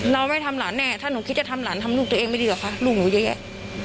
เราไม่ทำหลานแน่ผมอยากทำหลานทำลูกตัวเองไม่ดีหรอคะลูกหนูเยอะ